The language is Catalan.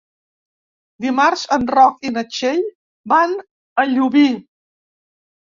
Dimarts en Roc i na Txell van a Llubí.